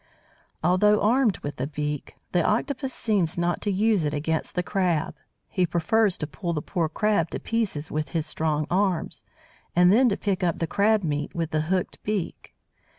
Although armed with a beak, the Octopus seems not to use it against the Crab. He prefers to pull the poor Crab to pieces with his strong arms, and then to pick up the crab meat with the hooked beak.